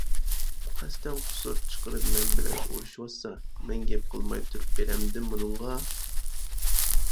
ئۇ قەستەن قۇسۇر چىقىرىپ مەن بىلەن ئۇرۇشىۋاتسا، مەن گەپ قىلماي تۇرۇپ بېرەمدىم ئۇنىڭغا.